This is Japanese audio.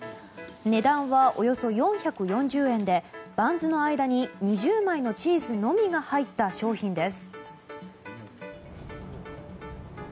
値段はおよそ４４０円でバンズの間に２０枚のチーズのみが入った商品です。